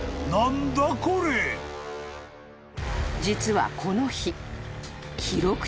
［実はこの日］